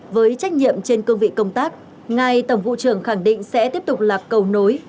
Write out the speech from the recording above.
với trách nhiệm trên cương vị công tác ngài tổng vụ trưởng khẳng định sẽ tiếp tục là cầu nối